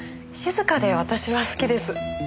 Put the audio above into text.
静かで私は好きです。